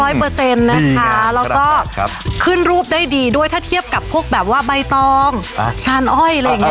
แล้วก็ขึ้นรูปได้ดีด้วยถ้าเทียบกับพวกแบบว่าใบตองชานอ้อยอะไรอย่างนี้